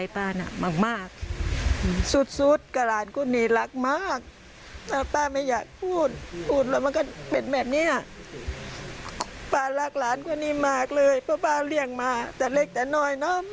ป้ารักหลานคนนี้มากเลยเพราะป้าเลี่ยงมาแต่เล็กแต่น้อยเนอะ